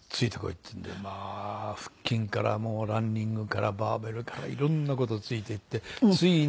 っつうんでまあ腹筋からもうランニングからバーベルからいろんな事ついていってついに倒れてしまいました。